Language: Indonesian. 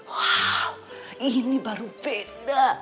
wow ini baru beda